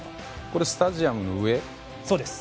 これスタジアムの上？